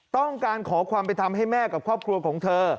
ต้องการขอความเป็นธรรมให้แม่กับครอบครัวของเธอ